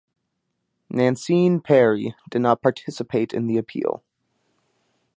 Nanceen Perry did not participate in the appeal.